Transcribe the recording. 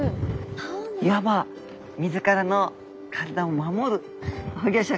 いわば自らの体を守る保護色。